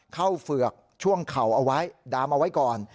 เฝือกช่วงเข่าเอาไว้ดามเอาไว้ก่อน